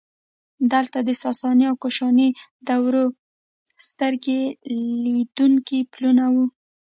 دلته د ساساني او کوشاني دورې سترګې لیدونکي پلونه وو